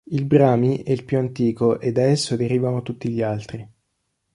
Il Brahmi è il più antico e da esso derivano tutti gli altri.